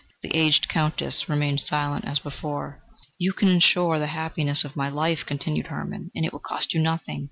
The aged Countess remained silent as before. "You can insure the happiness of my life," continued Hermann, "and it will cost you nothing.